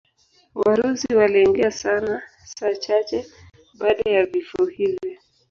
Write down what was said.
Warusi waliingia saa chache baada ya vifo hivi.